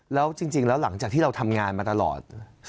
แล้วจริงแล้วหลังจากที่เราทำงานมาตลอด